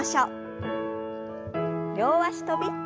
両脚跳び。